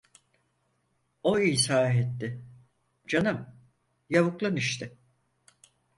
O izah etti: "Canım, yavuklun işte…"